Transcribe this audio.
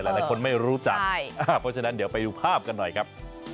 หลายคนไม่รู้จักเพราะฉะนั้นเดี๋ยวไปดูภาพกันหน่อยครับ